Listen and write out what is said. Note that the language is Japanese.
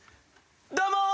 どうもー！